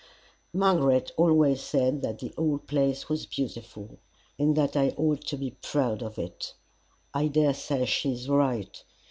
Margaret always said that the old place was beautiful, and that I ought to be proud of it. I dare say she is right.